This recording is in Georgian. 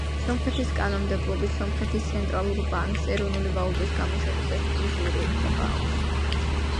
სომხეთის კანონმდებლობით სომხეთის ცენტრალურ ბანკს ეროვნული ვალუტის გამოშვების ექსკლუზიური უფლება აქვს.